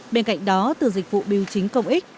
bên cạnh đó từ dịch vụ biêu chính công ích